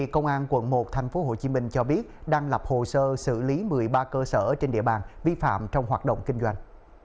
công an quận một tp hcm cho biết đang lập hồ sơ xử lý một mươi ba cơ sở trên địa bàn vi phạm trong hoạt động kinh doanh